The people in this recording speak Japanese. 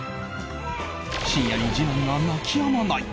深夜に次男が泣きやまない。